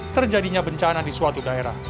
terjadinya bencana di suatu daerah